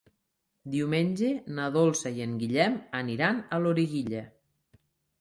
Diumenge na Dolça i en Guillem aniran a Loriguilla.